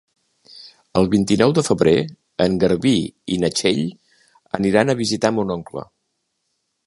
El vint-i-nou de febrer en Garbí i na Txell aniran a visitar mon oncle.